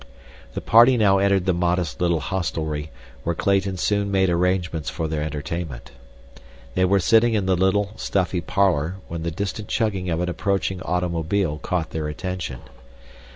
The party now entered the modest little hostelry, where Clayton soon made arrangements for their entertainment. They were sitting in the little, stuffy parlor when the distant chugging of an approaching automobile caught their attention.